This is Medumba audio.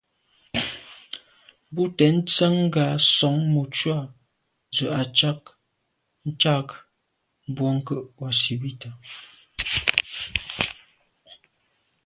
Bú tɛ̌n tsjə́ŋ ŋgà sɔ̀ŋ mùcúà zə̄ à'cák câk bwɔ́ŋkə́ʼ wàsìbítà.